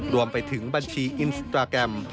รวมไปถึงบัญชีอินสตราแกรม